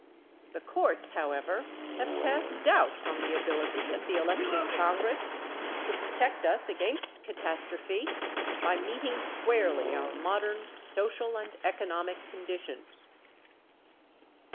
The courts, however, have cast doubts on the ability of the elected Congress to protect us against catastrophe by meeting squarely our modern social and economic conditions.